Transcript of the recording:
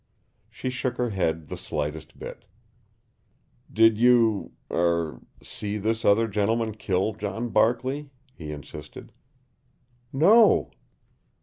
She shook her head the slightest bit. "Did you er see this other gentleman kill John Barkley?" he insisted. "No."